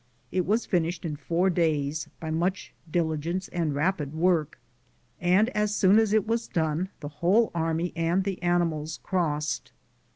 It was finished it four days, by much diligence and r&p!.' work, and as Boon as it was done the whofe army and the animals crossed.